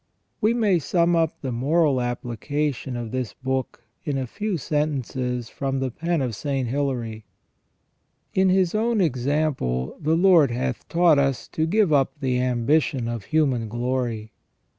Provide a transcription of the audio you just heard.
We may sum up the moral application of this book in a few sentences from the pen of St. Hilary. " In His own example the Lord hath taught us to give up the ambition of human glory.